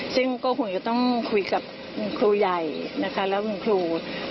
ซึ่งก็คงจะต้องคุยกับคุณครูใหญ่นะคะแล้วคุณครู